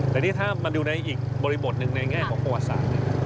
แต่นี่ถ้ามาดูในอีกบริบทหนึ่งในแง่ของประวัติศาสตร์